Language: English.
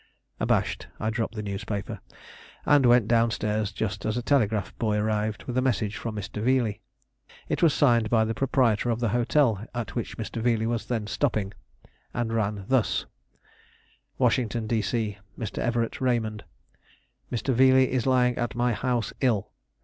Abashed, I dropped the newspaper, and went down stairs just as a telegraph boy arrived with a message from Mr. Veeley. It was signed by the proprietor of the hotel at which Mr. Veeley was then stopping and ran thus: "WASHINGTON, D. C. "Mr. Everett Raymond "Mr. Veeley is lying at my house ill.